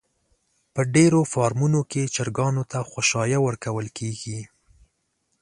په ډېرو فارمونو کې چرگانو ته خؤشايه ورکول کېږي.